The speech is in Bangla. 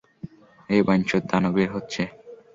এই বাইঞ্চোদ দানবীর হচ্ছে।